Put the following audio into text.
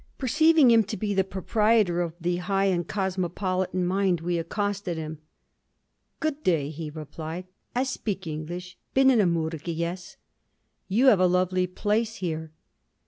Perceiving him to be the proprietor of the high and cosmopolitan mind, we accosted him. "Good day!" he replied: "I spik English. Been in Amurrica yes." "You have a lovely place here."